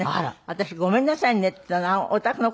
私「ごめんなさいね」って言ったの。